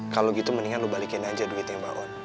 kalau gitu mendingan lu balikin aja duitnya mbak on